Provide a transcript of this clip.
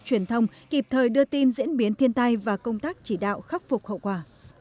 truyền thông kịp thời đưa tin diễn biến thiên tai và công tác chỉ đạo khắc phục hậu quả